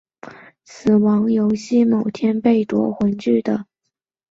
某天被夺魂锯的拼图杀人魔抓去玩死亡游戏。